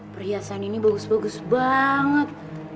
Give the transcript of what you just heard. perhiasan ini bagus bagus banget